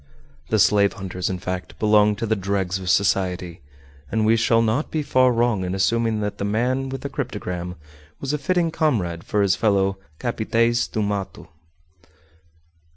The slave hunters in fact belonged to the dregs of society, and we shall not be far wrong in assuming that the man with the cryptogram was a fitting comrade for his fellow _"capitaes do mato."